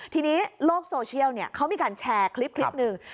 ทีนี้โลกโซเชียลเขามีการแชร์คลิปหนึ่ง